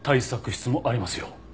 室もありますよ。